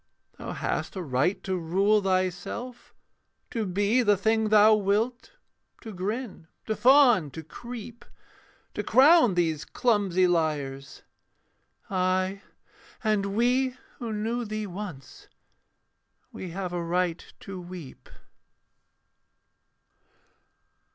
Thou hast a right to rule thyself; to be The thing thou wilt; to grin, to fawn, to creep: To crown these clumsy liars; ay, and we Who knew thee once, we have a right to weep.